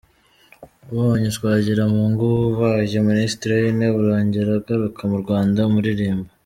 Ubonye Twagiramungu abaye Minisitiri w’intebe, urongera ugaruka mu Rwanda umuririmba!